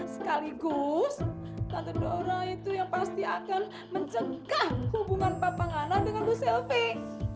sekaligus tante dora itu yang pasti akan mencegah hubungan papa ngana dengan bu selvi